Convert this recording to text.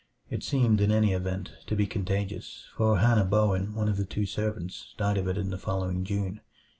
It seemed, in any event, to be contagious; for Hannah Bowen, one of the two servants, died of it in the following June.